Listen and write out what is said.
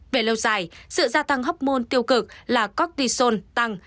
về lâu dài sự gia tăng hốc môn tiêu cực là cortisone tăng